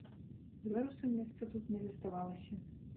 Беларусам месца тут не заставалася.